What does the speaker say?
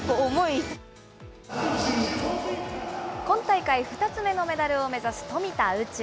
今大会２つ目のメダルを目指す富田宇宙。